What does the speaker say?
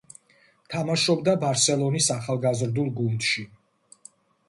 თამაშობდა „ბარსელონის“ ახალგაზრდულ გუნდში.